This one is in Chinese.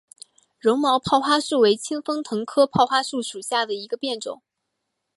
柔毛泡花树为清风藤科泡花树属下的一个变种。